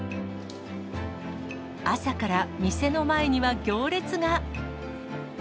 朝から店の前には行列が。